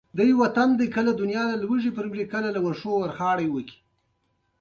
او ډولۍ یې د سره شال سره پوښلې پر سر بار وه.